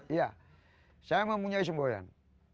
iya saya mempunyai semboyan